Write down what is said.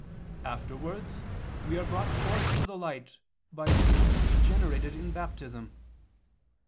Afterwards we are brought forth to the light by being regenerated in baptism.